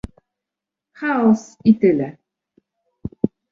"Chaos i tyle“..."